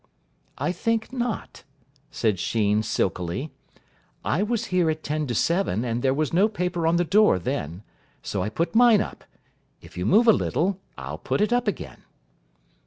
"I think not," said Sheen silkily. "I was here at ten to seven, and there was no paper on the door then. So I put mine up. If you move a little, I'll put it up again."